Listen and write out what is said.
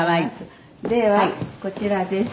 ではこちらです。